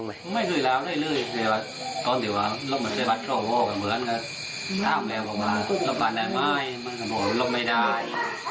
ก็บ้าไม้เคยบาดใหม่เราไม่ได้